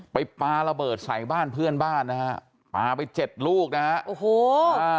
ปลาระเบิดใส่บ้านเพื่อนบ้านนะฮะปลาไปเจ็ดลูกนะฮะโอ้โหอ่า